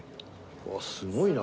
うわっすごいな。